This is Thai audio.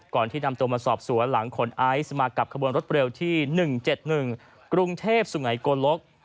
ที่นำตัวมาสอบสวนหลังขนไอซ์มากับขบวนรถเร็วที่๑๗๑กรุงเทพสุงัยโกลก